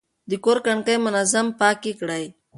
د کور کړکۍ منظم پاکې کړئ.